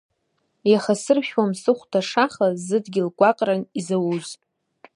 Иахасыршәуам сыхәда ашаха, зыдгьыл гәаҟран изауз…